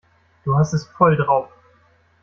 Du hast es voll drauf.